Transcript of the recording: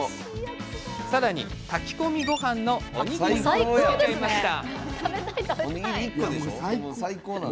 さらに、炊き込みごはんのおにぎりもつけました。